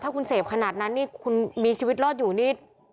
คุณเสพขนาดนั้นนี่คุณมีชีวิตรอดอยู่นี่